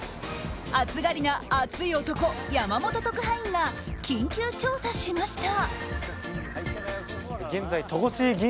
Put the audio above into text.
暑がりな熱い男山本特派員が緊急調査しました。